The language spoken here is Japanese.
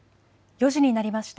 ４時になりました。